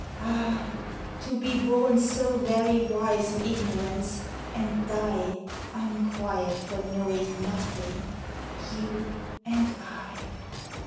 Ah ! to be born So very wise in ignorance, and die Unquiet for knowing nothing, you and I.